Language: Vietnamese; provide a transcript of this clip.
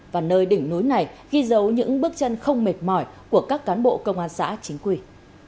và nơi đỉnh núi này ghi dấu những bước chân không mệt mỏi của các cán bộ công an xã chính quy